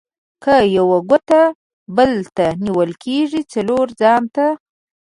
که یوه ګوته بل ته نيول کېږي؛ :څلور ځان ته.